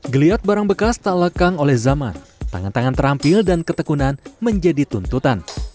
geliat barang bekas tak lekang oleh zaman tangan tangan terampil dan ketekunan menjadi tuntutan